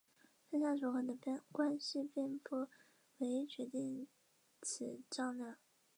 上面所给的关系并不唯一决定此张量。